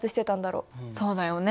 そうだよね。